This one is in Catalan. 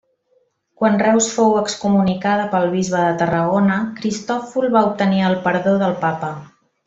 Quan Reus fou excomunicada pel bisbe de Tarragona, Cristòfol va obtenir el perdó del Papa.